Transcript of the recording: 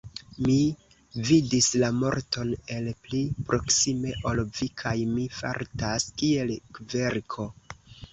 Mi vidis la morton el pli proksime ol vi, kaj mi fartas kiel kverko.